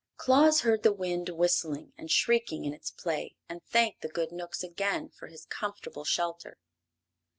Claus heard the wind whistling and shrieking in its play and thanked the good Knooks again for his comfortable shelter.